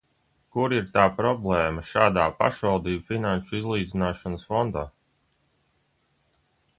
Kur ir tā problēma šādā pašvaldību finanšu izlīdzināšanas fondā?